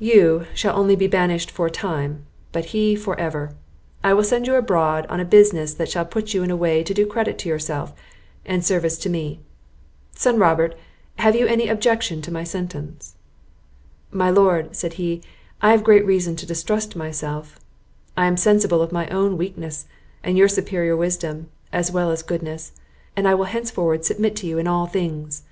"You shall only be banished for a time, but he for ever. I will send you abroad on a business that shall put you in a way to do credit to yourself, and service to me. Son Robert, have you any objection to my sentence?" "My Lord," said he, "I have great reason to distrust myself; I am sensible of my own weakness, and your superior wisdom, as well as goodness; and I will henceforward submit to you in all things."